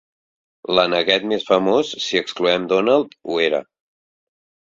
L'aneguet més famós, si excloem Donald, ho era.